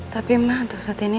tapi mah untuk saat ini